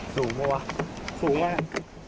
สูงมากว่าสูงมาก